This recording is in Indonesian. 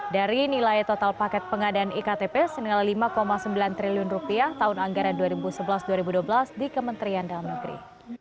dari nilai total paket pengadaan iktp senilai lima sembilan triliun tahun anggaran dua ribu sebelas dua ribu dua belas di kementerian dalam negeri